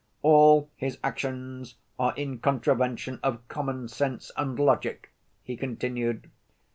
"All his actions are in contravention of common sense and logic," he continued.